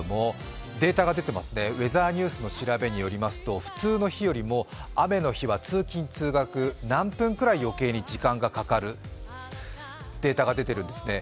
データが出てます、ウェザーニュースの調べによりますと普通の日よりも雨の日は通勤・通学、何分くらい余計に時間がかかるデータが出てるんですね。